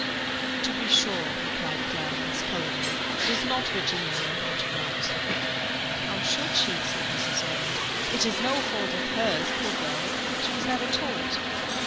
"To be sure," replied Clarence, colouring. "Does not Virginia know how to write?" "How should she?" said Mrs. Ormond: "it is no fault of hers, poor girl she was never taught.